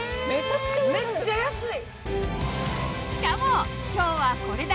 めっちゃ安い！